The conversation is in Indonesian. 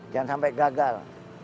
jangan sampai gagal